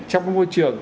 trong môi trường